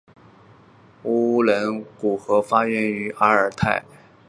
乌伦古河发源于阿尔泰山南坡。